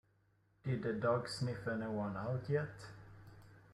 Did the dog sniff anyone out yet?